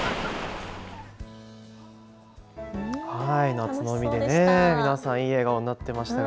夏の海で皆さん、いい笑顔になっていましたね。